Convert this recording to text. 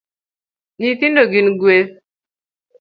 Nyithindo gin gweth